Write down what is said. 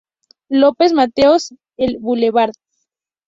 López Mateos, el Blvd.